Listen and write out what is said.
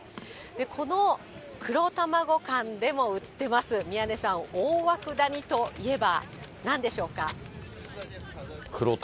この黒たまご館でも売ってます、宮根さん、大涌谷といえばなんでしょうか。